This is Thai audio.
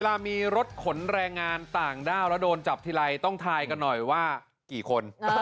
เวลามีรถขนแรงงานต่างด้าวแล้วโดนจับทีไรต้องทายกันหน่อยว่ากี่คน